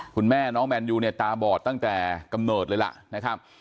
คุณแม่น้องแมนยูเนี่ยตาบอดตั้งแต่กำเนิดเลยล่ะนะครับ